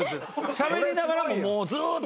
しゃべりながらもずっと。